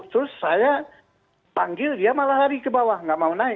terus saya panggil dia malah lari ke bawah nggak mau naik